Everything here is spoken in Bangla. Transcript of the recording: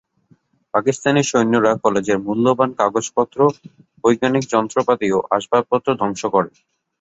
পাকিস্তানি সৈন্যরা কলেজের মূল্যবান কাগজপত্র, বৈজ্ঞানিক যন্ত্রপাতি ও আসবাবপত্র ধ্বংস করে।